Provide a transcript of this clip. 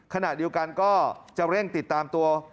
ขณะเดียวกันก็จะเร่งติดตามตัว